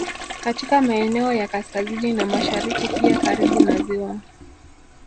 Katika maeneo ya kaskazini na mashariki pia karibu na ziwa